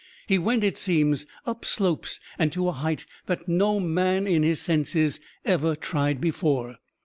He went, it seems, up slopes, and to a height that no man in his senses ever tried before.